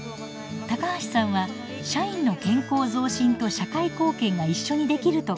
高橋さんは社員の健康増進と社会貢献が一緒にできると考えました。